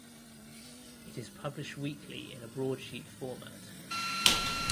It is published weekly in a broadsheet format.